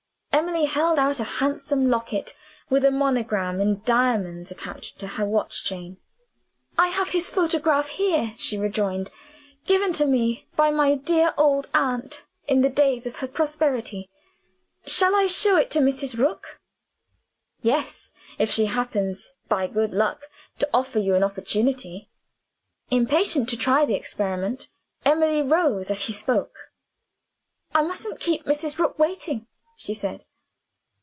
Emily held out a handsome locket, with a monogram in diamonds, attached to her watch chain. "I have his photograph here," she rejoined; "given to me by my dear old aunt, in the days of her prosperity. Shall I show it to Mrs. Rook?" "Yes if she happens, by good luck, to offer you an opportunity." Impatient to try the experiment, Emily rose as he spoke. "I mustn't keep Mrs. Rook waiting," she said.